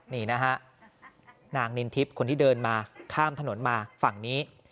นี่นะฮะนางนินทิพย์คนที่เดินมาข้ามถนนมาฝั่งนี้